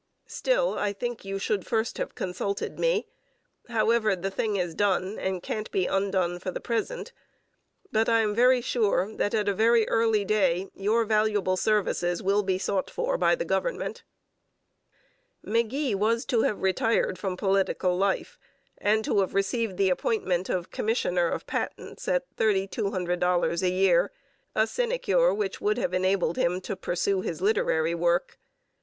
Still, I think you should have first consulted me. However, the thing is done and can't be undone for the present; but I am very sure that at a very early day your valuable services will be sought for by the government. McGee was to have retired from political life and to have received the appointment of commissioner of patents at $3200 a year, a sinecure which would have enabled him to pursue his literary work.